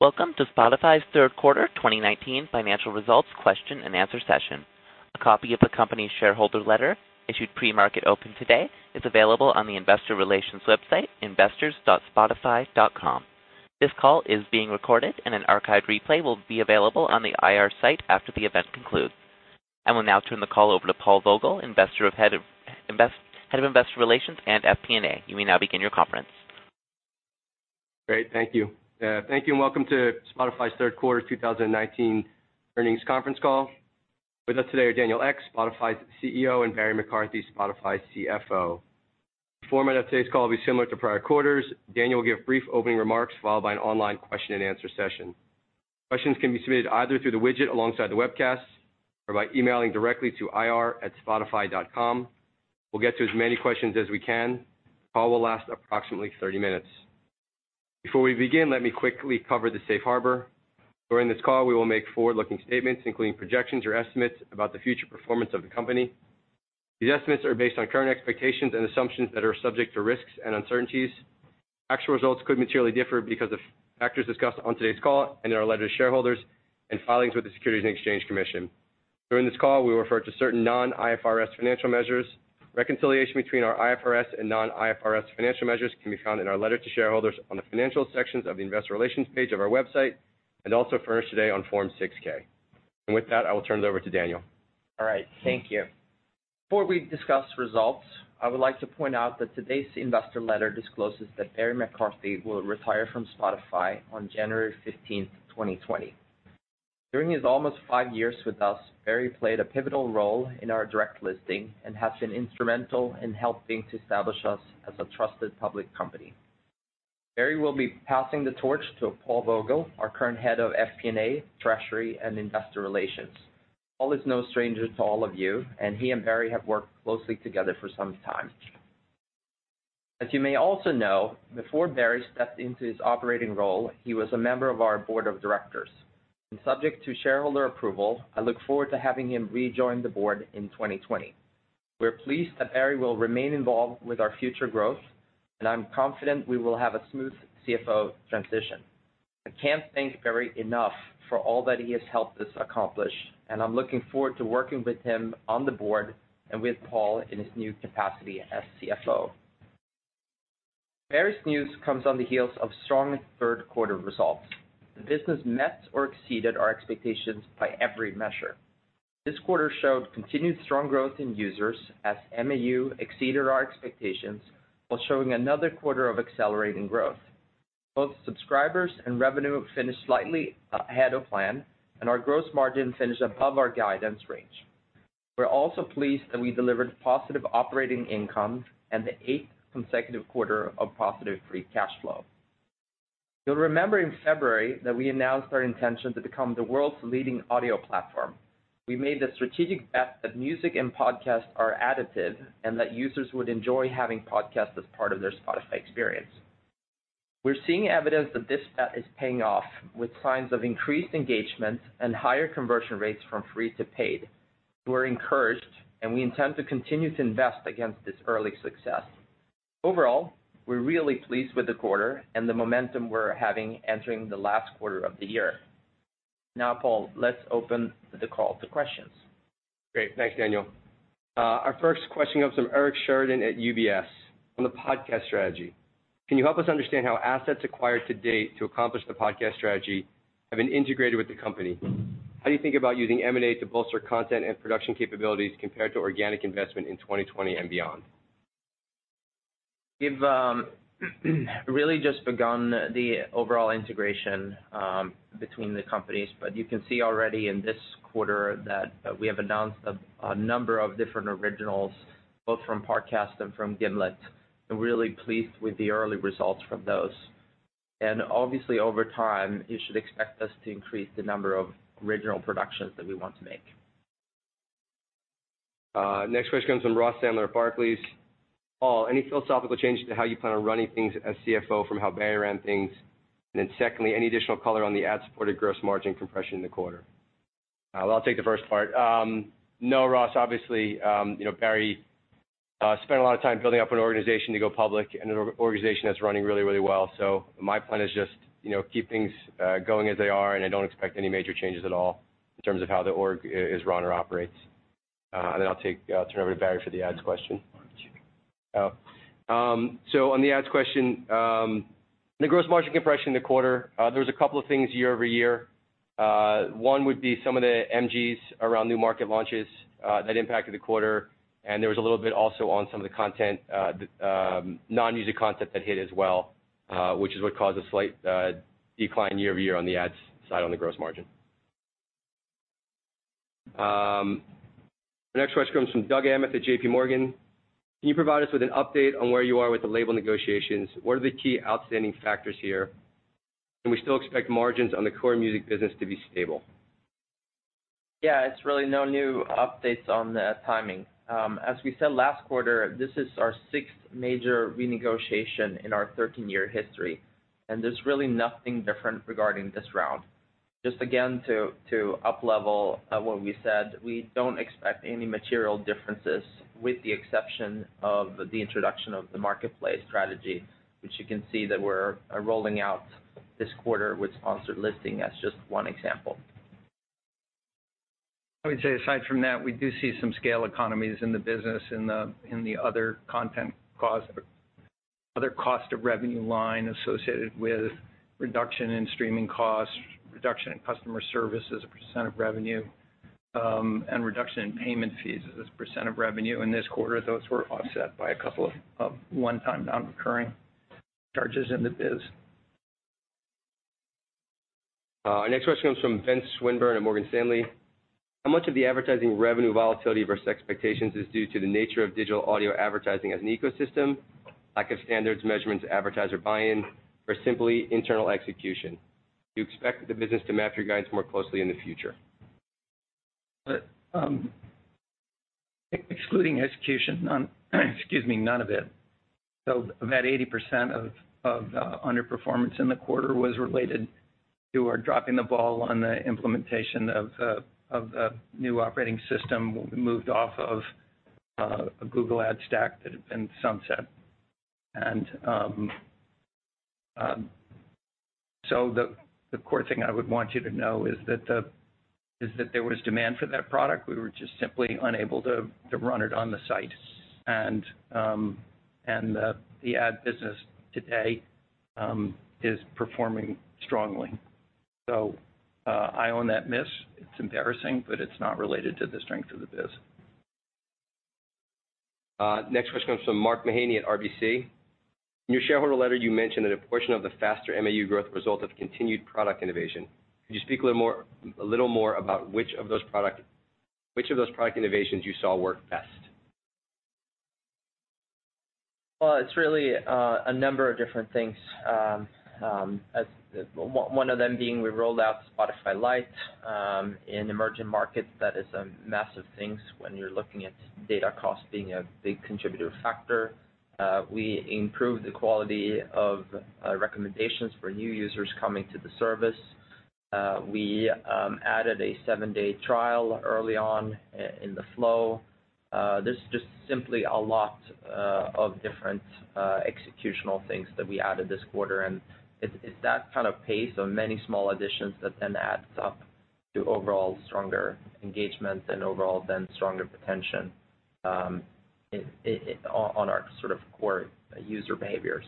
Welcome to Spotify's third quarter 2019 financial results question and answer session. A copy of the company's shareholder letter, issued pre-market open today, is available on the investor relations website, investors.spotify.com. This call is being recorded and an archived replay will be available on the IR site after the event concludes. I will now turn the call over to Paul Vogel, Head of Investor Relations and FP&A. You may now begin your conference. Great. Thank you. Welcome to Spotify's third quarter 2019 earnings conference call. With us today are Daniel Ek, Spotify's CEO, and Barry McCarthy, Spotify's CFO. The format of today's call will be similar to prior quarters. Daniel will give brief opening remarks followed by an online question and answer session. Questions can be submitted either through the widget alongside the webcast or by emailing directly to ir@spotify.com. We'll get to as many questions as we can. The call will last approximately 30 minutes. Before we begin, let me quickly cover the safe harbor. During this call, we will make forward-looking statements including projections or estimates about the future performance of the company. These estimates are based on current expectations and assumptions that are subject to risks and uncertainties. Actual results could materially differ because of factors discussed on today's call and in our letter to shareholders and filings with the Securities and Exchange Commission. During this call, we refer to certain non-IFRS financial measures. Reconciliation between our IFRS and non-IFRS financial measures can be found in our letter to shareholders on the financial sections of the investor relations page of our website and also furnished today on Form 6-K. With that, I will turn it over to Daniel. All right. Thank you. Before we discuss results, I would like to point out that today's investor letter discloses that Barry McCarthy will retire from Spotify on January 15th, 2020. During his almost five years with us, Barry played a pivotal role in our direct listing and has been instrumental in helping to establish us as a trusted public company. Barry will be passing the torch to Paul Vogel, our current head of FP&A, treasury, and investor relations. Paul is no stranger to all of you, and he and Barry have worked closely together for some time. As you may also know, before Barry stepped into his operating role, he was a member of our board of directors. Subject to shareholder approval, I look forward to having him rejoin the board in 2020. We're pleased that Barry will remain involved with our future growth. I'm confident we will have a smooth CFO transition. I can't thank Barry enough for all that he has helped us accomplish. I'm looking forward to working with him on the board and with Paul in his new capacity as CFO. Barry's news comes on the heels of strong third-quarter results. The business met or exceeded our expectations by every measure. This quarter showed continued strong growth in users as MAU exceeded our expectations while showing another quarter of accelerating growth. Both subscribers and revenue finished slightly ahead of plan. Our gross margin finished above our guidance range. We're also pleased that we delivered positive operating income and the eighth consecutive quarter of positive free cash flow. You'll remember in February that we announced our intention to become the world's leading audio platform. We made the strategic bet that music and podcasts are additive and that users would enjoy having podcasts as part of their Spotify experience. We're seeing evidence that this bet is paying off with signs of increased engagement and higher conversion rates from free to paid. We're encouraged, and we intend to continue to invest against this early success. Overall, we're really pleased with the quarter and the momentum we're having entering the last quarter of the year. Now, Paul, let's open the call to questions. Great. Thanks, Daniel. Our first question comes from Eric Sheridan at UBS. On the podcast strategy, can you help us understand how assets acquired to date to accomplish the podcast strategy have been integrated with the company? How do you think about using M&A to bolster content and production capabilities compared to organic investment in 2020 and beyond? We've really just begun the overall integration between the companies. You can see already in this quarter that we have announced a number of different originals, both from Parcast and from Gimlet. We're really pleased with the early results from those. Obviously, over time, you should expect us to increase the number of original productions that we want to make. Next question comes from Ross Sandler at Barclays. Paul, any philosophical changes to how you plan on running things as CFO from how Barry ran things? Secondly, any additional color on the ad-supported gross margin compression in the quarter? I'll take the first part. No, Ross, obviously Barry spent a lot of time building up an organization to go public and an organization that's running really well. My plan is just keep things going as they are, and I don't expect any major changes at all in terms of how the org is run or operates. I'll turn it over to Barry for the ads question. On the ads question, the gross margin compression in the quarter, there was a couple of things year-over-year. One would be some of the MGs around new market launches that impacted the quarter, and there was a little bit also on some of the non-music content that hit as well, which is what caused a slight decline year-over-year on the ads side on the gross margin. The next question comes from Doug Anmuth at J.P. Morgan. Can you provide us with an update on where you are with the label negotiations? What are the key outstanding factors here? Can we still expect margins on the core music business to be stable? It's really no new updates on the timing. As we said last quarter, this is our sixth major renegotiation in our 13-year history, and there's really nothing different regarding this round. Just again, to up level what we said, we don't expect any material differences with the exception of the introduction of the marketplace strategy, which you can see that we're rolling out this quarter with sponsored listing as just one example. I would say aside from that, we do see some scale economies in the business in the other cost of revenue line associated with reduction in streaming costs, reduction in customer service as a % of revenue, and reduction in payment fees as a % of revenue in this quarter. Those were offset by a couple of one-time non-recurring charges in the biz. Next question comes from Ben Swinburne at Morgan Stanley. How much of the advertising revenue volatility versus expectations is due to the nature of digital audio advertising as an ecosystem, lack of standards, measurements, advertiser buy-in, or simply internal execution? Do you expect the business to match your guidance more closely in the future? Excluding execution, none of it. That 80% of underperformance in the quarter was related to our dropping the ball on the implementation of a new operating system. We moved off of a Google ad stack that had been sunset. The core thing I would want you to know is that there was demand for that product. We were just simply unable to run it on the site. The ad business today is performing strongly. I own that miss. It's embarrassing, but it's not related to the strength of the biz. Next question comes from Mark Mahaney at RBC. In your shareholder letter, you mentioned that a portion of the faster MAU growth result of continued product innovation. Could you speak a little more about which of those product innovations you saw work best? Well, it's really a number of different things. One of them being we rolled out Spotify Lite in emerging markets. That is a massive thing when you're looking at data costs being a big contributor factor. We improved the quality of recommendations for new users coming to the service. We added a seven-day trial early on in the flow. There's just simply a lot of different executional things that we added this quarter, and it's that kind of pace of many small additions that then adds up to overall stronger engagement and overall then stronger retention on our sort of core user behaviors.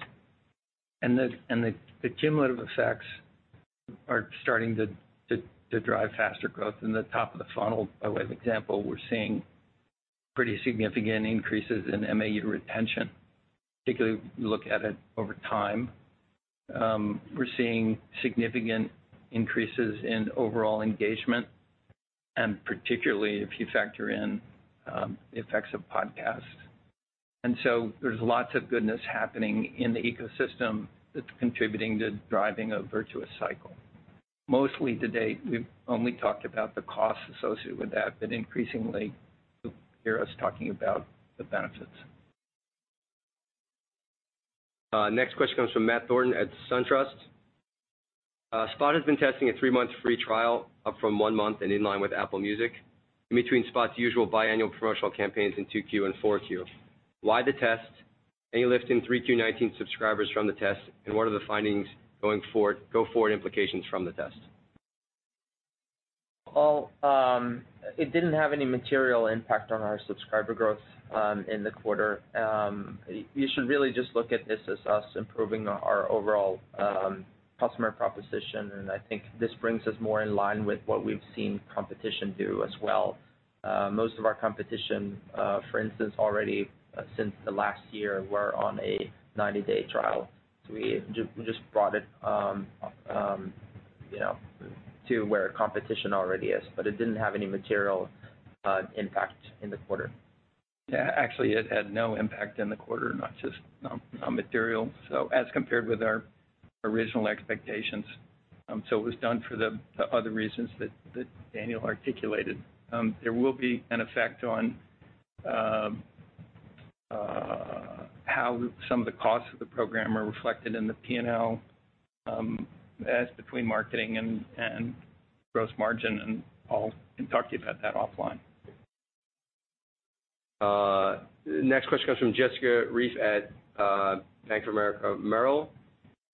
The cumulative effects are starting to drive faster growth in the top of the funnel. By way of example, we're seeing pretty significant increases in MAU retention, particularly if you look at it over time. We're seeing significant increases in overall engagement, and particularly if you factor in the effects of podcasts. There's lots of goodness happening in the ecosystem that's contributing to driving a virtuous cycle. Mostly to date, we've only talked about the costs associated with that, but increasingly, you'll hear us talking about the benefits. Next question comes from Matthew Thornton at Truist Securities. Spotify has been testing a 3-month free trial, up from one month and in line with Apple Music, in between Spotify's usual biannual promotional campaigns in 2Q and 4Q. Why the test? Any lift in 3Q 2019 subscribers from the test, and what are the findings go-forward implications from the test? Well, it didn't have any material impact on our subscriber growth in the quarter. You should really just look at this as us improving our overall customer proposition. I think this brings us more in line with what we've seen competition do as well. Most of our competition, for instance, already since the last year, were on a 90-day trial. We just brought it to where competition already is. It didn't have any material impact in the quarter. Yeah, actually, it had no impact in the quarter, not just non-material, as compared with our original expectations. It was done for the other reasons that Daniel articulated. There will be an effect on how some of the costs of the program are reflected in the P&L as between marketing and gross margin. I'll talk to you about that offline. Next question comes from Jessica Reif at Bank of America Merrill Lynch.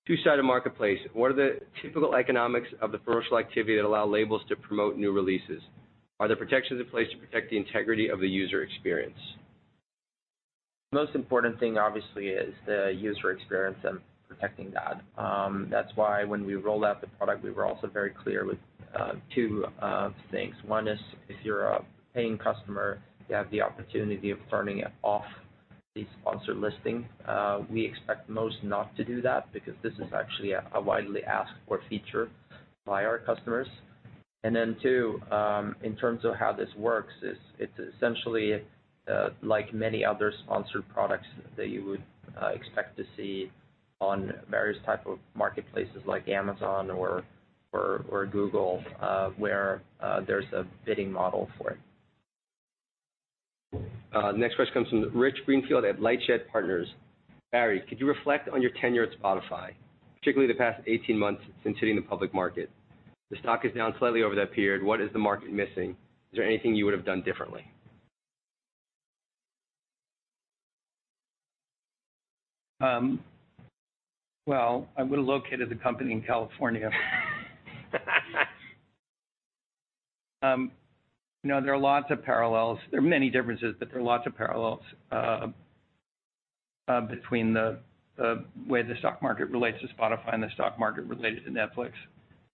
Two-sided marketplace. What are the typical economics of the promotional activity that allow labels to promote new releases? Are there protections in place to protect the integrity of the user experience? Most important thing, obviously, is the user experience and protecting that. That's why when we rolled out the product, we were also very clear with two things. One is if you're a paying customer, you have the opportunity of turning off the sponsored listing. We expect most not to do that because this is actually a widely asked-for feature by our customers. Two, in terms of how this works is, it's essentially like many other sponsored products that you would expect to see on various type of marketplaces like Amazon or Google, where there's a bidding model for it. The next question comes from Rich Greenfield at LightShed Partners. Barry, could you reflect on your tenure at Spotify, particularly the past 18 months since hitting the public market? The stock is down slightly over that period. What is the market missing? Is there anything you would have done differently? Well, I would've located the company in California. There are lots of parallels. There are many differences, but there are lots of parallels between the way the stock market relates to Spotify and the stock market related to Netflix.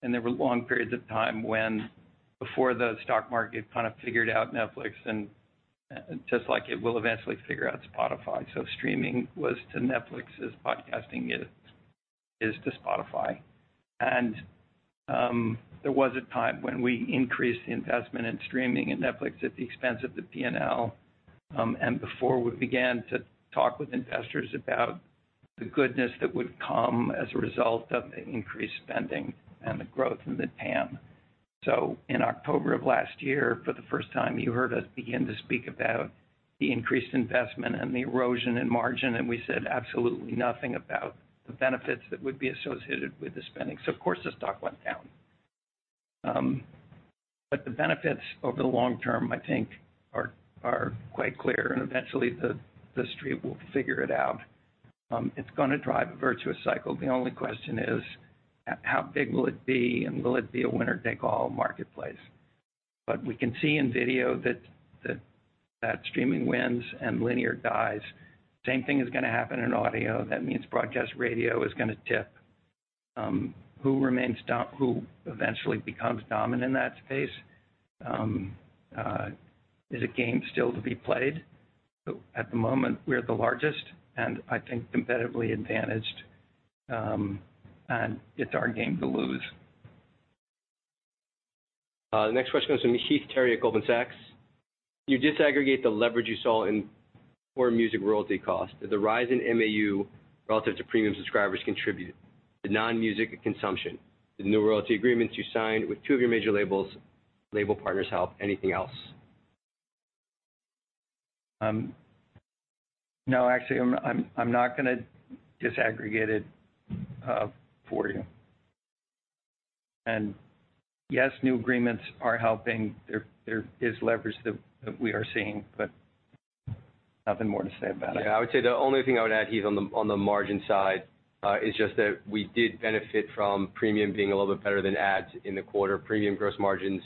There were long periods of time when, before the stock market kind of figured out Netflix, and just like it will eventually figure out Spotify. Streaming was to Netflix as podcasting is to Spotify. There was a time when we increased the investment in streaming and Netflix at the expense of the P&L, and before we began to talk with investors about the goodness that would come as a result of the increased spending and the growth in the TAM. In October of last year, for the first time, you heard us begin to speak about the increased investment and the erosion in margin, and we said absolutely nothing about the benefits that would be associated with the spending. Of course, the stock went down. The benefits over the long term, I think, are quite clear, and eventually the Street will figure it out. It's going to drive a virtuous cycle. The only question is how big will it be, and will it be a winner-take-all marketplace? We can see in video that streaming wins and linear dies. Same thing is going to happen in audio. That means broadcast radio is going to tip. Who eventually becomes dominant in that space is a game still to be played. At the moment, we're the largest, and I think competitively advantaged, and it's our game to lose. The next question comes from Heath Terry at Goldman Sachs. You disaggregate the leverage you saw in core music royalty costs. Did the rise in MAU relative to premium subscribers contribute to non-music consumption? Did the new royalty agreements you signed with two of your major label partners help? Anything else? No, actually, I'm not going to disaggregate it for you. Yes, new agreements are helping. There is leverage that we are seeing, but nothing more to say about it. Yeah, I would say the only thing I would add, Heath, on the margin side, is just that we did benefit from premium being a little bit better than ads in the quarter. Premium gross margins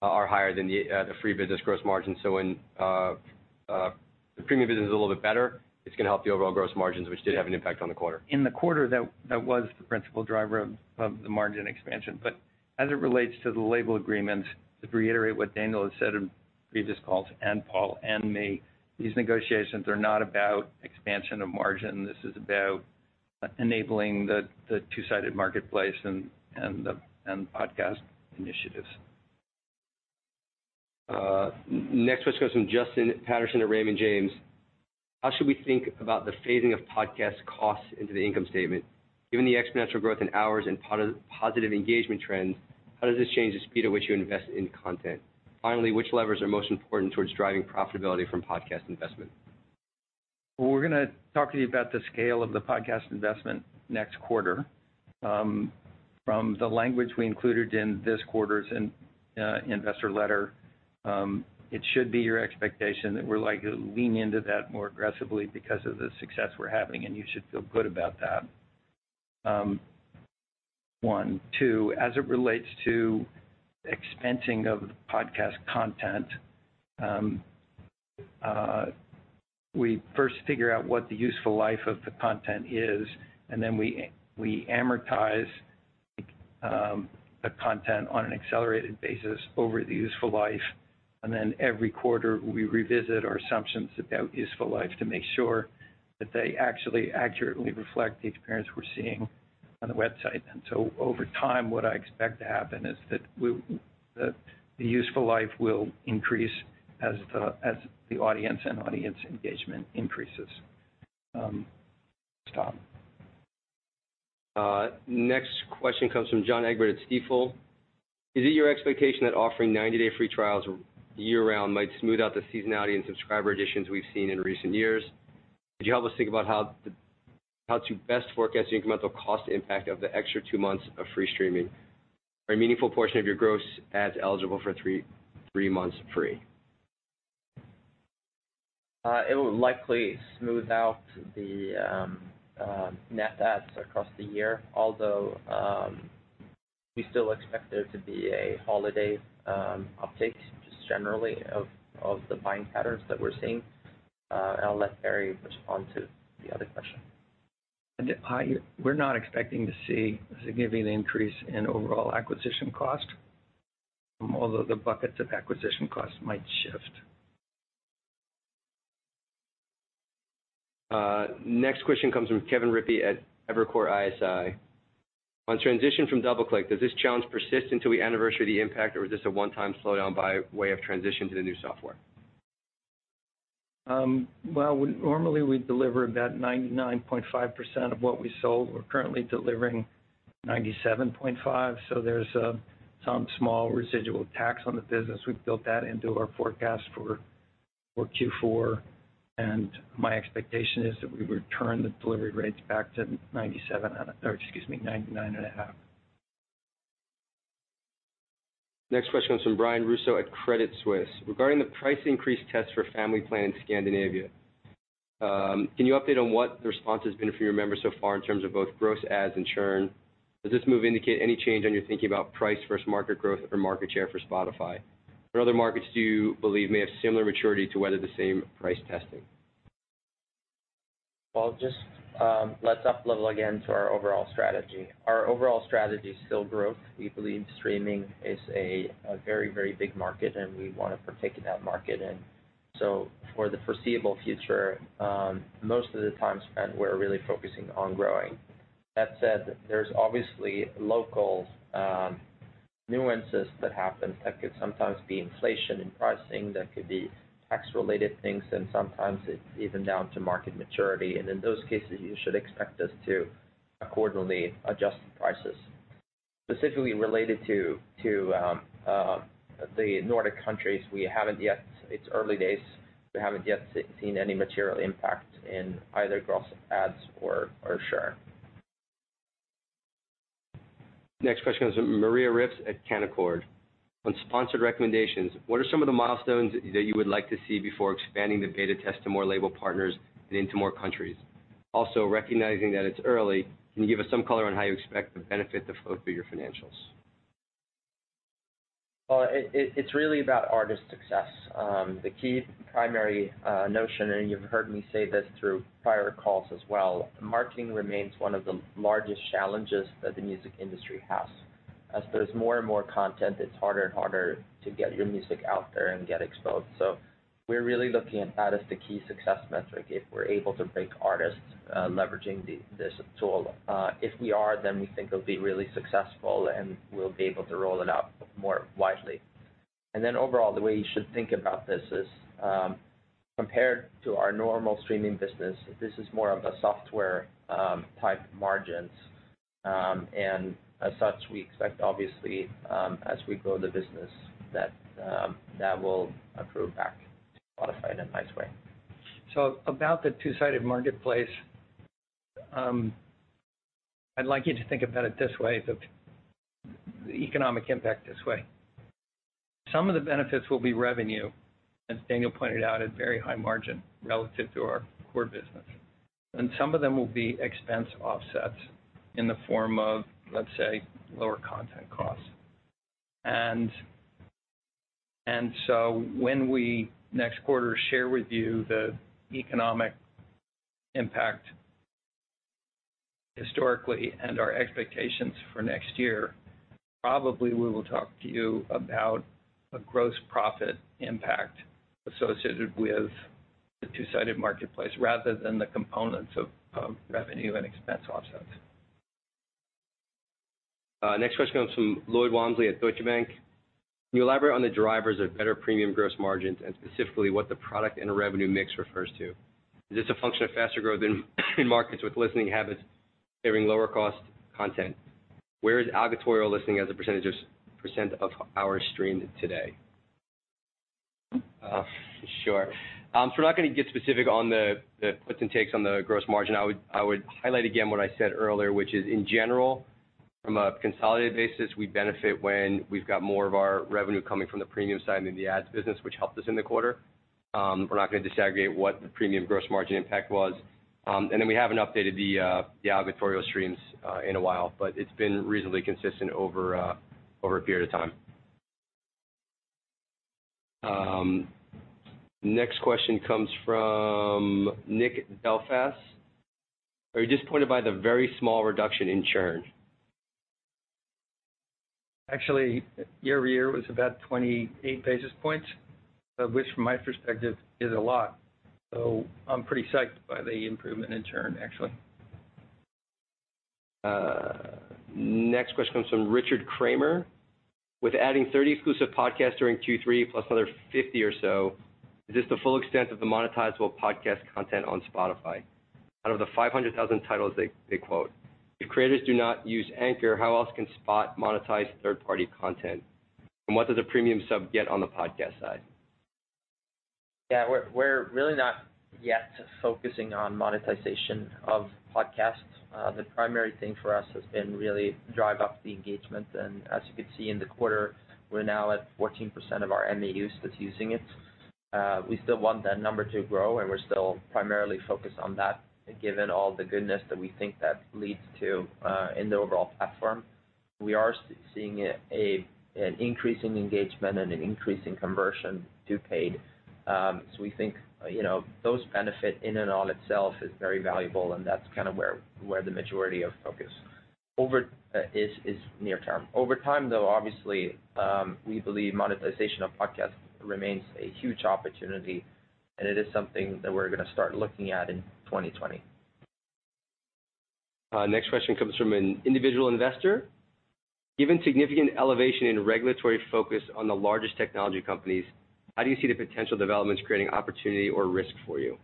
are higher than the free business gross margin. When the premium business is a little bit better, it's going to help the overall gross margins, which did have an impact on the quarter. In the quarter, that was the principal driver of the margin expansion. As it relates to the label agreements, to reiterate what Daniel has said in previous calls, and Paul and me, these negotiations are not about expansion of margin. This is about enabling the two-sided marketplace and the podcast initiatives. Next question comes from Justin Patterson at Raymond James. How should we think about the phasing of podcast costs into the income statement? Given the exponential growth in hours and positive engagement trends, how does this change the speed at which you invest in content? Which levers are most important towards driving profitability from podcast investment? Well, we're going to talk to you about the scale of the podcast investment next quarter. From the language we included in this quarter's investor letter, it should be your expectation that we're likely to lean into that more aggressively because of the success we're having, and you should feel good about that, one. Two, as it relates to expensing of podcast content, we first figure out what the useful life of the content is, and then we amortize the content on an accelerated basis over the useful life. Every quarter, we revisit our assumptions about useful life to make sure that they actually accurately reflect the experience we're seeing on the website. Over time, what I expect to happen is that the useful life will increase as the audience and audience engagement increases. [Tom.] Next question comes from John Egbert at Stifel. Is it your expectation that offering 90-day free trials year-round might smooth out the seasonality in subscriber additions we've seen in recent years? Could you help us think about how to best forecast the incremental cost impact of the extra two months of free streaming? Are a meaningful portion of your gross ads eligible for three months free? It will likely smooth out the net adds across the year. We still expect there to be a holiday uptake, just generally of the buying patterns that we're seeing. I'll let Barry respond to the other question. We're not expecting to see a significant increase in overall acquisition cost, although the buckets of acquisition costs might shift. Next question comes from Kevin Rippey at Evercore ISI. On transition from DoubleClick, does this challenge persist until we anniversary the impact, or was this a one-time slowdown by way of transition to the new software? Well, normally we deliver about 99.5% of what we sold. We're currently delivering 97.5%. There's some small residual tax on the business. We've built that into our forecast for Q4. My expectation is that we return the delivery rates back to 97%, or excuse me, 99 and a half. Next question comes from Brian Russo at Credit Suisse. Regarding the price increase test for Premium Family in Scandinavia, can you update on what the response has been from your members so far in terms of both gross adds and churn? Does this move indicate any change on your thinking about price versus market growth or market share for Spotify? What other markets do you believe may have similar maturity to weather the same price testing? Well, just let's up level again to our overall strategy. Our overall strategy is still growth. We believe streaming is a very big market, and we want a partake in that market. For the foreseeable future, most of the time spent, we're really focusing on growing. That said, there's obviously local nuances that happen that could sometimes be inflation in pricing, that could be tax-related things, and sometimes it's even down to market maturity, and in those cases, you should expect us to accordingly adjust the prices. Specifically related to the Nordic countries, it's early days. We haven't yet seen any material impact in either gross adds or churn. Next question comes from Maria Ripps at Canaccord. On sponsored recommendations, what are some of the milestones that you would like to see before expanding the beta test to more label partners and into more countries? Recognizing that it's early, can you give us some color on how you expect the benefit to flow through your financials? Well, it's really about artist success. The key primary notion, and you've heard me say this through prior calls as well, marketing remains one of the largest challenges that the music industry has. As there's more and more content, it's harder and harder to get your music out there and get exposed. We're really looking at that as the key success metric if we're able to break artists leveraging this tool. If we are, we think it'll be really successful, and we'll be able to roll it out more widely. Overall, the way you should think about this is, compared to our normal streaming business, this is more of a software-type margins. As such, we expect obviously, as we grow the business, that that will accrue back to Spotify in a nice way. About the two-sided marketplace, I'd like you to think about the economic impact this way. Some of the benefits will be revenue, as Daniel pointed out, at very high margin relative to our core business. Some of them will be expense offsets in the form of, let's say, lower content costs. When we, next quarter, share with you the economic impact historically and our expectations for next year, probably we will talk to you about a gross profit impact associated with the two-sided marketplace rather than the components of revenue and expense offsets. Next question comes from Lloyd Walmsley at Deutsche Bank. Can you elaborate on the drivers of better premium gross margins, and specifically what the product and revenue mix refers to? Is this a function of faster growth in markets with listening habits favoring lower cost content? Where is algotorial listening as a % of hours streamed today? Sure. We're not going to get specific on the puts and takes on the gross margin. I would highlight again what I said earlier, which is in general, from a consolidated basis, we benefit when we've got more of our revenue coming from the premium side than the ads business, which helped us in the quarter. We're not going to disaggregate what the premium gross margin impact was. We haven't updated the algotorial streams in a while, but it's been reasonably consistent over a period of time. Next question comes from Nick Delfas. Are you disappointed by the very small reduction in churn? Actually, year-over-year was about 28 basis points. Of which, from my perspective, is a lot. I'm pretty psyched by the improvement in churn, actually. Next question comes from Richard Kramer. With adding 30 exclusive podcasts during Q3 plus another 50 or so, is this the full extent of the monetizable podcast content on Spotify out of the 500,000 titles they quote? If creators do not use Anchor, how else can Spotify monetize third-party content? What does a premium sub get on the podcast side? Yeah, we're really not yet focusing on monetization of podcasts. The primary thing for us has been really drive up the engagement, and as you could see in the quarter, we're now at 14% of our MAUs that's using it. We still want that number to grow, and we're still primarily focused on that given all the goodness that we think that leads to in the overall platform. We are seeing an increase in engagement and an increase in conversion to paid. We think those benefit in and of itself is very valuable, and that's kind of where the majority of focus is near term. Over time, though, obviously, we believe monetization of podcasts remains a huge opportunity, and it is something that we're going to start looking at in 2020. Next question comes from an individual investor: Given significant elevation in regulatory focus on the largest technology companies, how do you see the potential developments creating opportunity or risk for you?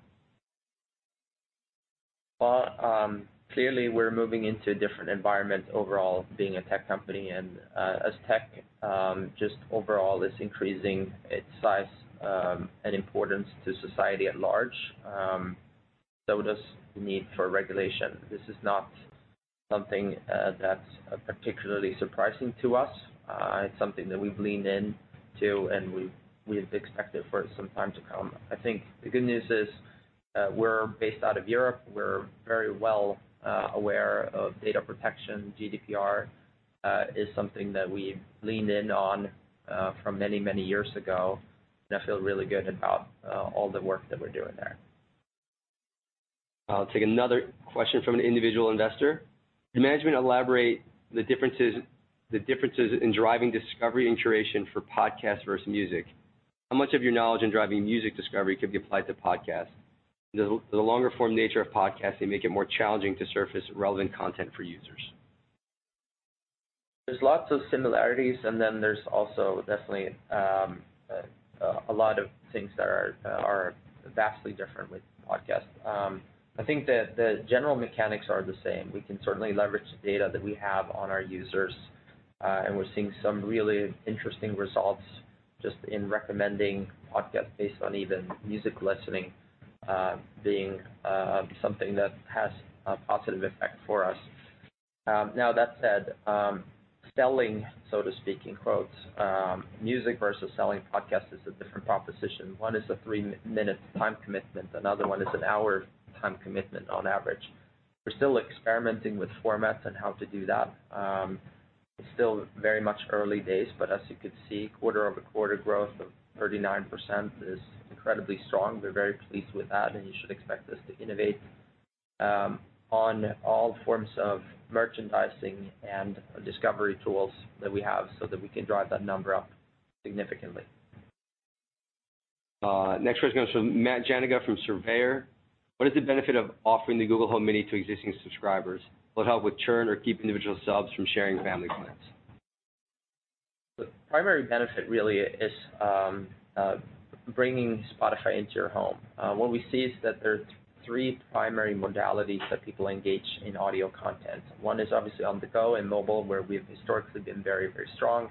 Clearly, we're moving into a different environment overall, being a tech company. As tech just overall is increasing its size and importance to society at large, so does the need for regulation. This is not something that's particularly surprising to us. It's something that we've leaned into and we've expected for some time to come. I think the good news is we're based out of Europe. We're very well aware of data protection. GDPR is something that we leaned in on from many years ago, and I feel really good about all the work that we're doing there. I'll take another question from an individual investor. Can management elaborate the differences in driving discovery and curation for podcasts versus music? How much of your knowledge in driving music discovery could be applied to podcasts? Does the longer form nature of podcasts make it more challenging to surface relevant content for users? There's lots of similarities and then there's also definitely a lot of things that are vastly different with podcasts. I think that the general mechanics are the same. We can certainly leverage the data that we have on our users, and we're seeing some really interesting results just in recommending podcasts based on even music listening being something that has a positive effect for us. Now, that said, selling, so to speak in quotes, music versus selling podcasts is a different proposition. One is a three-minute time commitment. Another one is an hour time commitment on average. We're still experimenting with formats and how to do that. It's still very much early days, but as you could see, quarter-over-quarter growth of 39% is incredibly strong. We're very pleased with that and you should expect us to innovate on all forms of merchandising and discovery tools that we have so that we can drive that number up significantly. Next question comes from Matt Janiga from Surveyor: What is the benefit of offering the Google Home Mini to existing subscribers? Will it help with churn or keep individual subs from sharing family plans? The primary benefit really is bringing Spotify into your home. What we see is that there's three primary modalities that people engage in audio content. One is obviously on the go and mobile, where we've historically been very strong.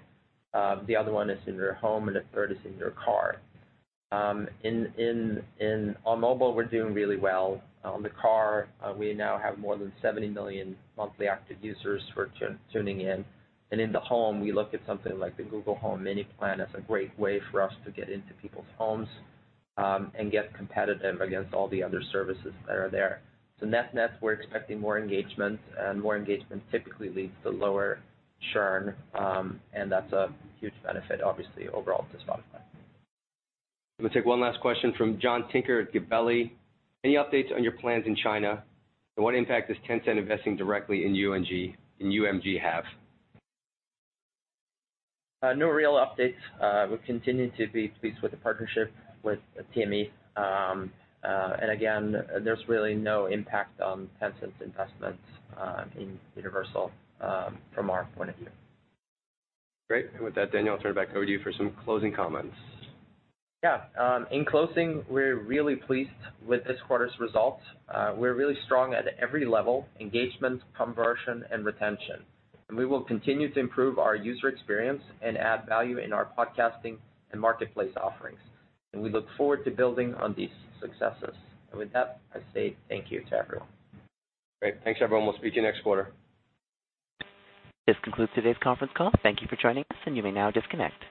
The other one is in your home, and the third is in your car. In mobile, we're doing really well. On the car, we now have more than 70 million monthly active users who are tuning in. In the home, we look at something like the Google Home Mini plan as a great way for us to get into people's homes and get competitive against all the other services that are there. Net-net, we're expecting more engagement and more engagement typically leads to lower churn, and that's a huge benefit obviously overall to Spotify. I'm going to take one last question from John Tinker at Gabelli: Any updates on your plans in China? What impact does Tencent investing directly in UMG have? No real updates. We've continued to be pleased with the partnership with TME. Again, there's really no impact on Tencent's investments in Universal from our point of view. Great. With that, Daniel, I'll turn it back over to you for some closing comments. Yeah. In closing, we're really pleased with this quarter's results. We're really strong at every level: engagement, conversion, and retention. We will continue to improve our user experience and add value in our podcasting and marketplace offerings. We look forward to building on these successes. With that, I say thank you to everyone. Great. Thanks, everyone. We'll speak to you next quarter. This concludes today's conference call. Thank you for joining us and you may now disconnect.